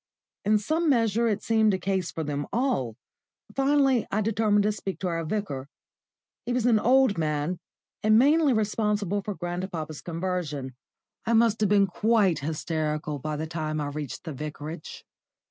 In some measure it seemed a case for them all. Finally I determined to speak to our Vicar. He was an old man, and mainly responsible for grandpapa's conversion. I must have been quite hysterical by the time I reached the vicarage.